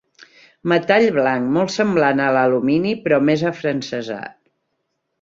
Metall blanc, molt semblant a l'alumini, però més afrancesat.